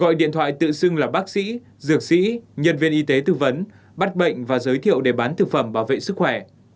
gọi điện thoại tự xưng là bác sĩ dược sĩ nhân viên y tế tư vấn bắt bệnh và giới thiệu để bán thực phẩm bảo vệ sức khỏe